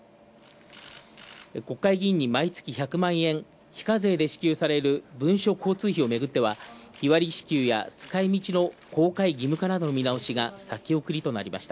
国会議員に毎月１００万円、非課税で支給される文書交通費をめぐっては日割り支給や使い途の公開義務化などの見直しが先送りと。